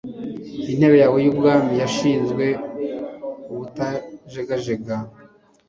Intebe yawe y’ubwami yashinzwe ubutajegajega